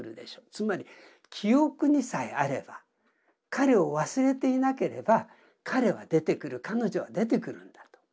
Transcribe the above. つまり記憶にさえあれば彼を忘れていなければ彼は出てくる彼女は出てくるんだと。